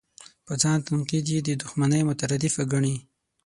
په ځان تنقید یې د دوښمنۍ مترادفه ګڼي.